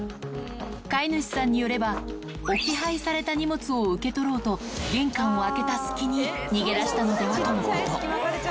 飼い主さんによれば、置き配された荷物を受け取ろうと玄関を開けた隙に、逃げ出したのではとのこと。